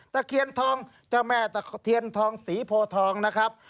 ตะเคียนทองเจ้าแม่ตะเคียนทองศรีโพทองนะครับ